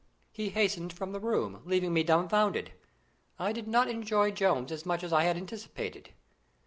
He hastened from the room, leaving me dumbfounded. I did not enjoy Jones as much as I had anticipated.